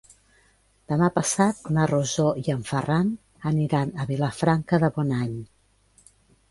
Demà passat na Rosó i en Ferran aniran a Vilafranca de Bonany.